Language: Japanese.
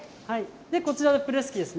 こちらがプレス機ですね。